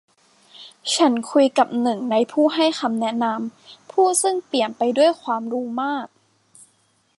ฉันคุยกับหนึ่งในผู้ให้คำแนะนำ ผู้ซึ่งเปี่ยมไปด้วยความรู้มาก